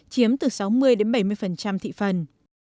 chiếm từ sáu mươi đến bảy mươi